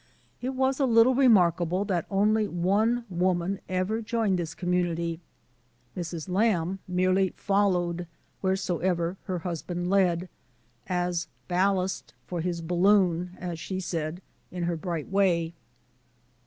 It was a little remarkable that only one woman ever joined this commimity. Mrs. Lamb merely followed wheresoever her husband led, — "as ballast for his balloon," as she said, in her bright way.